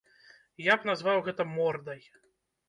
Я б назваў гэта мордай.